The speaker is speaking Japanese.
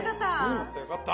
よかったよかった。